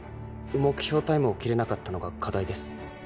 目標タイムを切れなかったのが課題です。